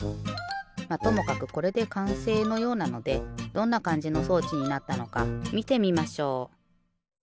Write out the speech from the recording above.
まっともかくこれでかんせいのようなのでどんなかんじの装置になったのかみてみましょう。